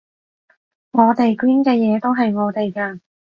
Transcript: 我哋捐嘅嘢都係我哋嘅